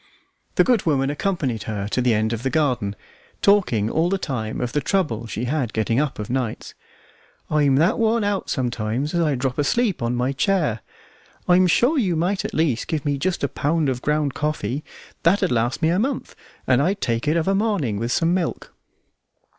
The good woman accompanied her to the end of the garden, talking all the time of the trouble she had getting up of nights. "I'm that worn out sometimes as I drop asleep on my chair. I'm sure you might at least give me just a pound of ground coffee; that'd last me a month, and I'd take it of a morning with some milk."